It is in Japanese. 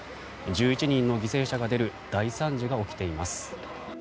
１１人の犠牲者が出る大惨事が起きています。